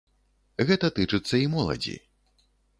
Гэта тычыцца і моладзі.